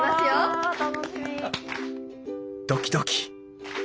ドキドキ！